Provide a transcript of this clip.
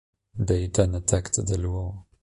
They then attacked the Luo.